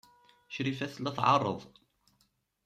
Crifa tella tɛerreḍ.